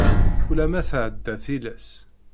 Ulama tɛedda tillas.